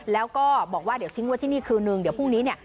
แล้วก็บอกว่าเดี๋ยวทิ้งไว้ที่นี่คืนนึงเดี๋ยวพรุ่งนี้เนี่ย